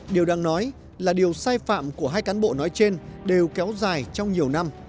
điều đáng nói là điều sai phạm của hai cán bộ nói trên đều kéo dài trong nhiều năm